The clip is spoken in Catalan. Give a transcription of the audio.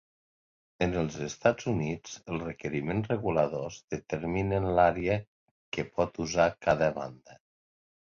En els Estats Units, els requeriments reguladors determinen l'àrea que pot usar cada banda.